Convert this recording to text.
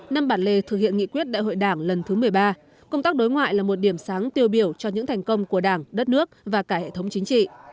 năm bản lề thực hiện nghị quyết đại hội đảng lần thứ một mươi ba công tác đối ngoại là một điểm sáng tiêu biểu cho những thành công của đảng đất nước và cả hệ thống chính trị